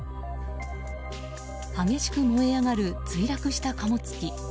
激しく燃え上がる墜落した貨物機。